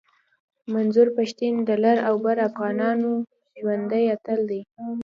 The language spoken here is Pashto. منظور پشتین د لر او بر افغانانو ژوندی اتل دی